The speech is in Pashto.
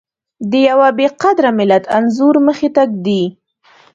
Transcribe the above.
د يوه بې قدره ملت انځور مخې ته ږدي.